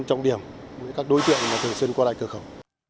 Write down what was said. trọng điểm với các đối tượng thường xuyên qua lại cơ khẩu